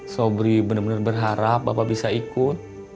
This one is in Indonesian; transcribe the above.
sobri benar benar berharap bapak bisa ikut